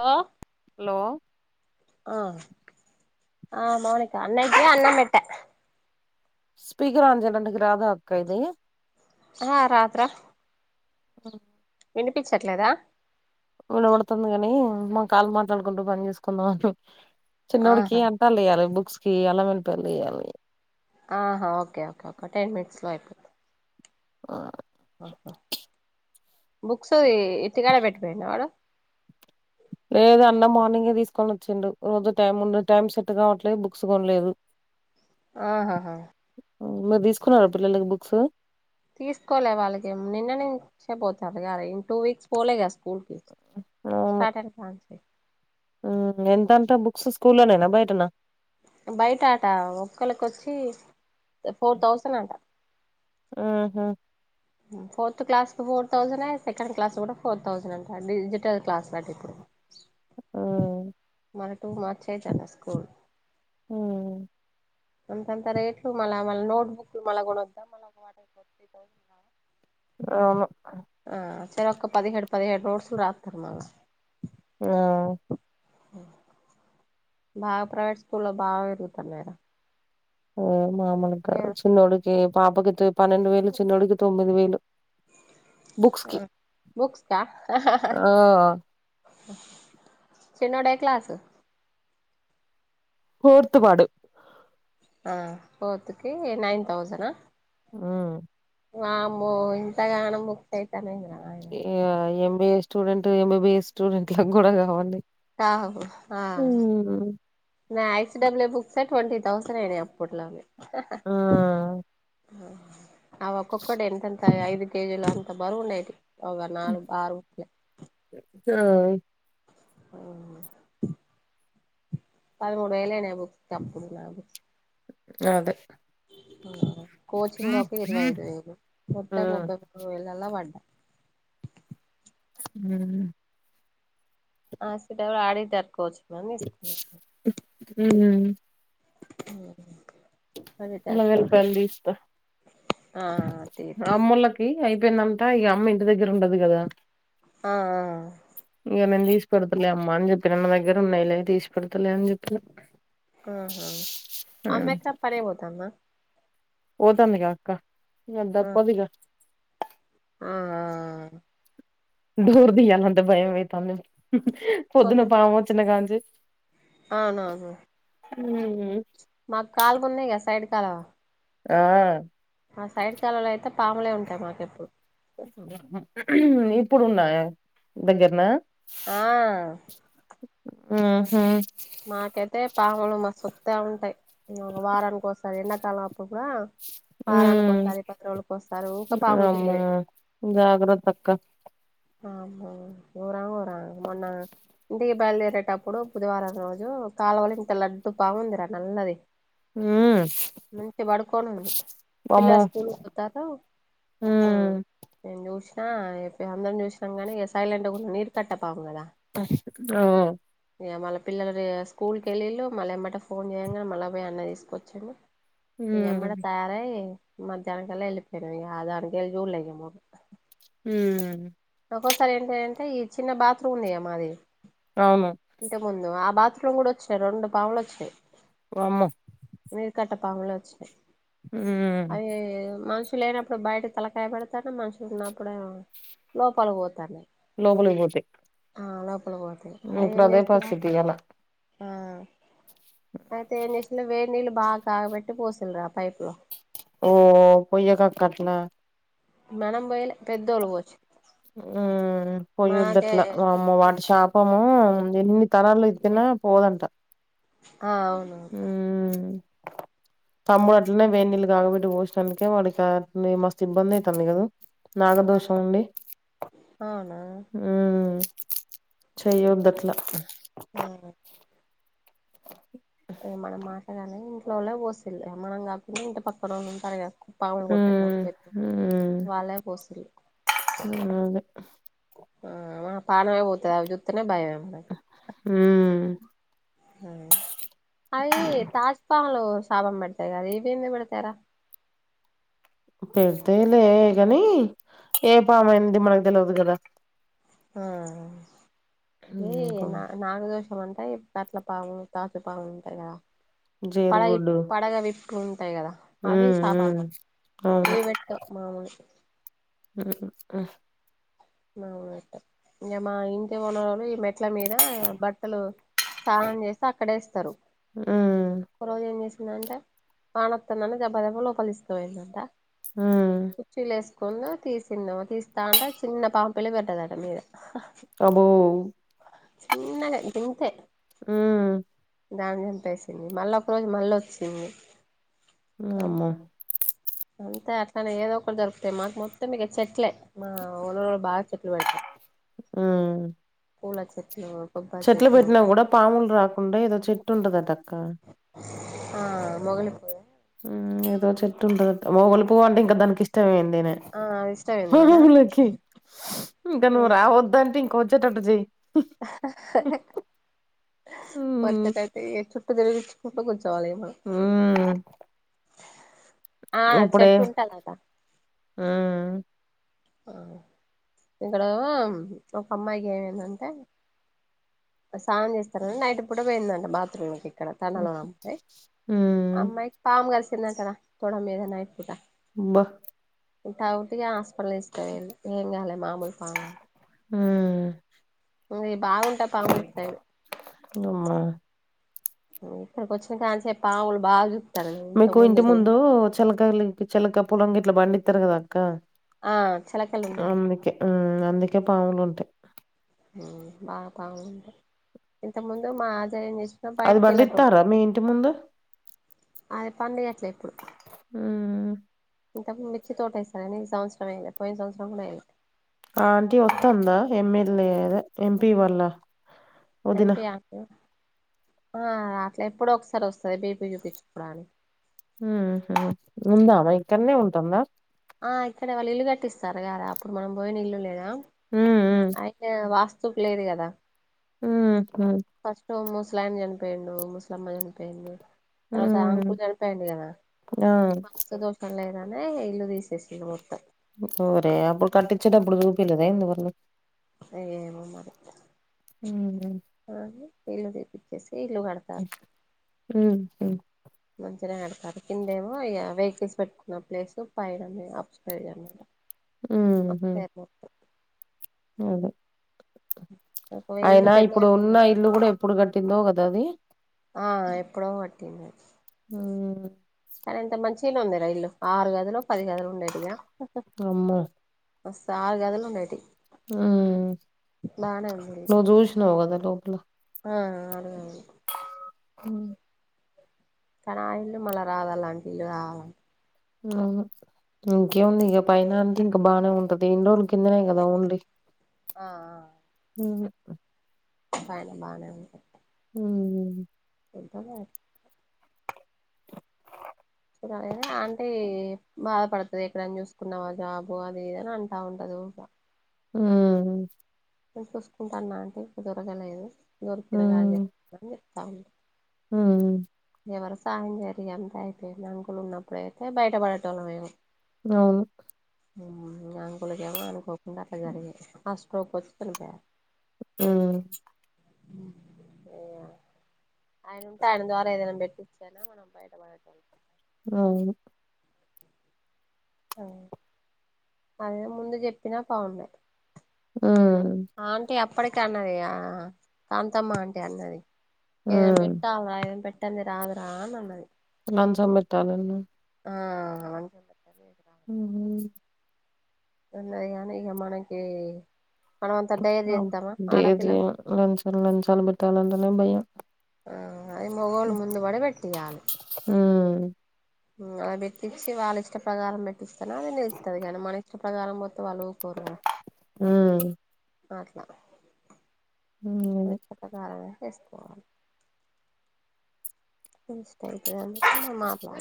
లో హలో ఆ ఆ మౌనిిక అన్నయ్యకు అన్నం పెట్ట స్పీకర్ ఆన్ చేయలంటికి రాద అక్క ఇది ఆహా రాదు రా ఆ వినిపించట్లేదా వినపడుతుంది కాని మా కాల్ మాట్లాడుకుంటూ పని చేసుకుందాం అని చిన్నోడికి ఆహా అ పెళ్లియాలి బుక్ కి అళ్ళమేళ్ళి పయల్ తియ్యాలి ఆహా ఓకే ఓకే ఓకే ఒక టెన్ మినిట్స్ లో అయిపోయి ఆ అహ బుక్స్ ఈ ఇంటికాడే పెట్టుపోయిఇండ వాడు లేదు అన్న మార్నింగే తీసుకొని వచ్చిండు రోజు టైం ఉండ టైం సెట్ కావట్లేదు బుక్స్ కొనలేదు ఆహాహా మ్ మీరు తీసుకున్నార పిల్లలకి బుక్స్ తీసుకోలే వాళ్ళకి నిన్నంచే పోతర్రు క రా టూ వీక్స్ పోలే క స్ స్కూల్ కి సటర్ డే కానుంచి మ్ ఎంతంట బుక్స్ స్కూల్లోనేనా బయటనా బయట ఆట ఒక్కళకిొచ్చి ఫోర్ థౌసండ్ అట ఆహ ఫోర్త్ క్లాస్ కు ఫోర్ థౌసండ్ సెకండ్ క్లాస్ కూడా ఫోర్ థౌజండ్ అంటారు డిజిటల్ క్లాస్లట ఇప్పుడు మ్ మళ్ళ టూ మార్చ అవుతన్న స్కూల్ మ్ అంతంత రేట్లు మళ్ళ మళ్ళ నోట్బుక్లు మళ్ళ కోనొద్ద్దా మ అవును అ చెరొక్క పదిహేడు పదిహేడు నోట్స్ రత్తరు మాగా ఆ బాగ ప్రవేట్ స్కూల్లో బాగా ఇరుగుతనై ర అ మామలుగ కాదు చిన్నోడికి పాపకి పన్నెండు వేలు చిన్నోడికి తొమ్మిది వేలు బుక్స్ కి మ్ బుక్స్ క ఆ చిన్నోడు ఏ క్లాస్ ఫోర్త్ వాడు ఆ ఫోర్తుకి నైన్ తౌసనా మ్ వామ్మ్మో ఇంతగానం బుక్స్ అయితనై నాయాన ఇగ ఎంబీఏ స్టూడెంట్ ఎంబీబిఏ స్టూడెంట్ లకు కూడా కావండి కవు ఆ నా ఎక్స్డబ్ల్యూ బుక్సే ట్వంటీ థౌసండ్ అయినయ్ అప్పట్ల అవి ఆ ఆవి ఓక్కోక్కటి ఎంతెంత ఐదు కేజీలు అంత బరువుండేటియి ఒగా నాలుగు ఆరు బుక్లే ఆ పదమూడు వేల అయినాయి ఆ బుక్ అప్పుడు నా బుక్స్ అదే కోచింగ్ ఒక ఒక ఇరవై ఐదు వేలు ఆ మొత్తం ముప్పై మూడు వేలళ్ళ పడ్డా మ్ హాస్పిటల్ ఆడిటర్ కోచ్ మ్ మ్మ్ అల్లం వెల్లిపాయలు తీసుకో ఆ తి అమ్మోళ్ళకి అయిపోయిందంట ఇగ అమ్మ ఇంటి దగ్గర ఉండదు కదా! ఆ ఇంక నేను తీసిపెడతలే అమ్మా అని చెప్పినా నా దగ్గర ఉన్నాయిలే తీసి పెడతలే అని చెప్పినా ఆహా అమ్మెక్క పనికి పోతందా పోతాందిగా అక్క ఇంకా ఆ దప్పదిగా ఆ డోర్ తీయాలంటే భయం అయితాంది పొద్దున పోతున్నా పాము వచ్చిన కాంచి అవునవును మాకు కాలువ ఉన్నాయి గా సైడ్ కాలువ ఆ ఆ సైడ్ కాలువలో అయితే పాములే ఉంటాయి మాకెప్పుడు ఇప్పుడు ఉన్నాయ దగ్గరన? ఆ మ్ హు మాకైతే పాములు మా చుట్ట ఉంటాయి. ఒక వారానికి ఓసారి అయిన ఎండాకాలం అప్పుడు కూడా, వారానికి ఉమ్ ఒకసారి, పది రోజుకి ఒకసారి ఊక పాములు అమ్మో తిరిగేటివి. జాగ్రత్త అక్క. వామ్మో వోరా వోరా మొన్నా ఇంటికి బయలుదేరేటప్పుడు బుధవారం రోజు కాలువలో ఇంత లడ్డు పాము ఉంది రా నల్లది. ఉమ్ మంచి పడుకొని ఉంది వామ్మో పిల్లలు స్కూల్ కి పోతారు మ్ ఉమ్ నేను చూసిన అయితే అందరం చూసినాం కానీ, ఇగ సైలెంట్ గుండి నీరు కట్ట పాము కదా రో ఇక మళ్ళ పిల్లలు స్కూల్కి వెల్లిళ్ళు మల్ల ఎంబట ఫోన్ చేయంగానే మళ్ళా పోయి అన్న తీసుకొచ్చిండు. ఉమ్ ఎమ్మడే తయారై మధ్యాహ్నం కల్లా వెళ్లిపోయిర్రు ఇగ దానికెళ్ చూడలే ఇగ మ్మ్ ఒక్కోసారి ఏంటిది అంటే ఈ చిన్న బాత్రూమ్ ఉందిగా మాది అవును ఇంట ముందు ఆ బాత్రూమ్ కూడా వచ్చినాయి రొండు పాములు వచ్చినాయి వామ్మో నీరుకట్ట పాములే వచ్చినాయి. ఉమ్ అయ్యయ్యయ్యో మనుష్ షి లేనప్పుడు బయట తలకాయ పెడతానయి మనుషులు ఉన్నప్పుడేమో, లోపలకి పోతన్నాయి. లోపలికి పోతాయి ఆ లోపల పోతాయి అవి ఇప్పుడు ఏం అదే చేస్తాయ పరిస్థితి ఇయ్యాల ఆ అయితే ఏం చేసిళ్ళు వేడి నీళ్ళు బాగ కాగబెట్టి పోసిల్రు ఆ పైప్ లో. ఓ పోయ్యకు అక్క అట్లా మనం పోయలే. పెద్దోళ్ళు పోసి మ్ పోయ్యోద్దు మనకే అట్లా వామ్మో వాటి షాప్ పము ఎన్ని తరాలు ఎత్తినా పోదంట. ఆ అవును. హు తమ్ముడు అట్లనే వేడి నీళ్ళు కాకబెట్టి పోసినానికే వాడికి మస్తు ఇబ్బంది అవుతుంది కదా ఆ నాగదోషం అండి అవునా ఉ చెయ్యోదు అట్ల ఆ ఇది మనం మాటగానే ఇంట్లో పోసిళ్ మనం కాకుండ ఇంటి పక్కనోళు ఉంటారుగ పామూలు ఉమ్ పటెట్టోలు వాళ్ళే [unintelligible] అ [unintelligible] ఆ పానమే పోతు అవి జుత్తనే భయం హు అవి [unintelligible] లు సాపం పెడతాయి కదా ఇవేమి పెడతాయ్ రా పెడతాయిలే గాని ఏ పామయింది మనకు తెలియదు కదా ఆ ఏ ఇంకో న నాగదోషం అంటే కట్ల పాము త [unintelligible] పాము ఉంటాయి కదా పడగ జేరుగుడ్డు పడగవి ఇట్ ఉంటాయి కదా అవి ఉమ్ ఉమ్ శాపలు అవును ఇవి పెట్టావు మామూని ఉ ఆ అవున ఇంక మా ఇంటి ఉన వాళ్ళు ఈ మెట్ల మీద బట్టలు సానం చేస్త అక్కడే [unintelligible] స్తరు ఆ ఒక రోజు ఏం చేసిందంటే వానవతంది గబ గబ లోపలి ఇస్త పోయిందంట ఆ కుచీలు వేసుకుంద తీసిందాం తీస్తా అంటే చిన్న పాం పిల్ల [unintelligible] మీద అబ్బో చిన్నది గింతే ఆ దాన్ని చంపేసింది మళ్ళీ ఒక రోజు మళ్ళ వచ్చింది ఉ అంతే అట్లనే ఏదో ఒకరు దరుకుతాయి మాకు మొత్తం మీక చెట్లే మా [unintelligible] బాగ చెట్లు పెడతారు ఆ పూల చెట్లు చెట్లు పెట్టినా కూడ పాములు రాకుండా ఏదో చెట్టు ఉంటదటక్క ఆ మొగలి [unintelligible] ఏదో చెట్టు ఉంటుంది మోగులి పువ్ అంటే ఇంకా దానికి ఇష్టమే అడి ఆ ఇష్టమైంది కదా [unintelligible] ఇంక నువ్వు రావొద్దు అంటే వచ్చేటట్టు చెయ్ [unintelligible] మ్మ్ అయితే చుట్ట దె ఫుట కూర్చోవాలి మనం మ్మ్ ఆ ఇప్పుడే చెట్టు ఉంటదట ఆ ఇక్కడ ఒక అమ్మాయికి ఏమైందంటే స్నానం చేస్తార [unintelligible] నైటు కూడ పోయిందండి బాత్రూమ్కి ఇక్కడ తనలో అమ్మాయి మ్మ్ అమ్మాయికి పాము కరిసింది అక్కడ తొడ మీదనే అయి పూట అబ్బ [unintelligible] హాస్పిటల్ [unintelligible] ఆ బాగుంటాయ్ పాములు ఇటు సైడు ఉమా ఇక్కడికి వచ్చిన కానిసే పావులు బాజు మీకు ఇంటి ముందు చలా గాలి చలక పులంగిట్ల బండితారు కదా అక్క ఆ చిలకలు ఉన్నాయి అందుకే అందుకే పాములు ఉంటాయి బా బాగుంటంది ఇంతముందు మా అజయని. అది బండి ఇస్తారా మీ ఇంటి ముందు. అదే పండియట్లే ఇప్పుడు ఉమ్మ్ ఇంతకు మిర్చి తోట ఎసాని ఈ సంవత్సరం ఎయల పోయిన సంవత్సరం కూడా ఎయలా అంటీ వత్తుందా ఎమ్మెల్యేద ఎంపీ వల్ల ఎంపి ఆ అట్లా ఎప్పుడ ఒకసారి వస్తది బీపీ చూపించుకోవాటనికి ఉందా ఆమే ఇక్కడనే ఉంటుందా ఆ ఇక్కడ వాళ్ళు ఇల్లు కట్టిస్తారు గదా అప్పుడు మనం పోయిన ఇల్లు లేదా హ్మ్. అయిన వాస్త చూప లేదు గదా. హ్మ్మ్ హమ్ ఫస్ట్ ముసలాయన చనిపోయిండు ముస్లమ్మ చనిపోయింది తర్వాత హ్మ్. అంకులు చడిపాయండి గదా ఆ! వాస్తు దోష్ లేదానే ఇల్లు తీసేసిరి మొత్తం ఒరే అప్పుడు కట్టించేటప్పుడు చూపిలేదా ఎంది అయ ఏమి మరి హుహు. ఇల్లు తీపిచ్చేసి ఇల్లు కడత. హ్మ్మ్ మంచిగా కడతారు కిందేమో ఇక వెహికల్స్ పెట్టుకున్న ప్లేస్ పైన అప్స్ పె హ్మ్మ్ అదే ఒక ఇల్లు అయినా పెద్దగా ఇప్పుడు ఉన్న కట్టారు. ఇల్లు కూడా ఏప్పుడు కట్టిందో గదా అది ఆ ఎప్పుడో గట్టింది హ్మ్మ్ సరే ఎంత మంచి ఉందిరా ఇల్లు ఆరు గదులు పది గదులు ఉండేటిగా అమ్మో! బస్ ఆరు గదులు ఉండేటి హ్మ్మ్ ఇల్లు నువు చూసినావు కదా లోపల ఆ అరు హమ్ కానీ ఇల్లు మళ్ళా రాదు అలాంటి ఇల్లు రావాల. ఇంకేముంది ఇక పైన అంటే ఇంకా బాగానే ఉంటది ఇండోర్ కిందనే కదా ఉంది ఆ పైన బాగా ఉంది హ ఎంటా. అంటే బాధ పడుతుంది ఎక్కడనా చూసుకున్నావా జాబు అది ఇదని అంటా ఉంటది. హుమ్మ్ నేను చూసుకుంటాన్నా అంటే ఇప్పు దొరకలేదు దొరికిన చేస్తా అని చెప్తా ఉంటాంది. హ్మ్మ్ ఎవరు సాయం చేయరు ఎంత అయిపోయింది అకులు ఉన్నప్పుడుయితే బయటపడతోళ్ళ మేమో. అవును. ఉమ్ అంకులకి ఏమో అనుకోకుండా అట్లా జరిగి హార్ట్ స్టోక్ వచ్చి చనిపోయా ఉమ్ ఉమ్ ఏయా ఆయన ఉంటే ఆయన ద్వారా ఏదైనా పెట్టిచ్చైనా అయిన మనం బయటపడేటోళ్ళం అవును అవును అదే ముందు చెప్పినా బాగుండేది ఉమ్ ఆంటీ అప్పటికీ అన్నది ఆ కాంతమ్మ ఆంటీ అన్నది ఏం హ్మ్. పెట్టాల్రా ఏం పెట్టంది రాదురా నన్నది నంద్ సంపెత్తా నేను ఆ [unintelligible] ఇది ఉహు ఉన్నది కానీ ఇక మనకి మనం అంతా డేర్ అబ్ చేత్తామా డేజే ఆడపిల్లలం లంచాలు లంచాలు పెట్టాలంటనేే భయం ఆ అది మొగోళ్ళు ముందు పడి పెట్టియాలి ఉమ్ ఉమ్ అలా పెట్టిచ్చి వాళ్ళ ఇష్ట ప్రకారం పెట్టిస్తేను అది నిలుత్తది కానీ మన ప్రకారం పోత్ వాళ్ళు ఉకోరు కదా ఉమ్ అట్లా ఉమ్ అదే ప్రకారంగా చేస్కోవాలి ష్ట్ ఐతే గాని నేన్ మాట్లా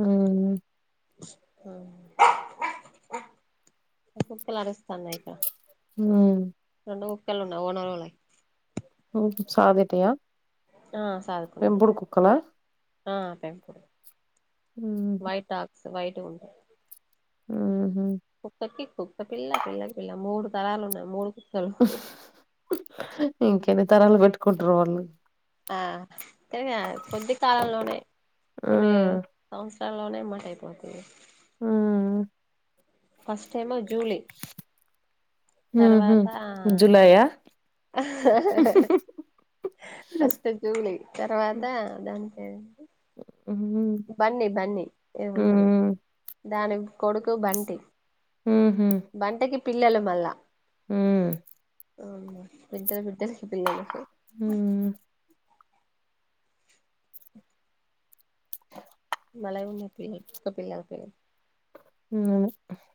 ఉమ్ ఉమ్ ఆ కుక్కలు అరుస్తాండాయ్ కా ఉమ్ రెండు కుక్కలు ఉన్నా ఓనర్ వాల్లవి ఒకే చాగుతయా ఆ సాగ్ పెంపుడు కుక్కలా? ఆ పెంపుడు హుహు. వైట్ టాక్స్ వైట్ గా ఉంటాయ్ ఊహు కుక్కకి కుక్కపిల్ల పిల్లకి పిల్ల మూడు తరాలు ఉన్నాయి మూడు కుక్ ఇంకెన్ని తరాలు పెట్టుకుంటరు వాళ్ళు ఆ తెగా కొద్ది కాలంలోనే కొన్ని హ్మ్. సంవత్సరాల్లోనే మట్టైపోతాయ్ ఊ మ్ ఫస్ట్ ఏమో జూలీ హుహు. తర్వాత ఆ జులాయా? ఫస్ట్ జూలీ తర్వాత దాని పేరు ఉ హ్ము్ బన్నీ బన్నీ ఏమి ఉంటది దాని కొడుకు బంటి ఊహు బంటికి పిల్లలు మళ్ళా అవున్లే పెద్ద పెద్దలుకి పిల్లలు ఉ బలె ఉంది పిల్లి కుక్క పిల్లలో [unintelligible]